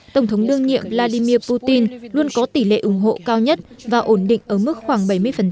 tổng thống đương nhiệm vladimir putin luôn có tỷ lệ ủng hộ cao nhất và ổn định ở mức khoảng bảy mươi